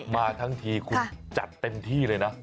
มาทั้งทีคุณจัดเต็มที่เลยนะ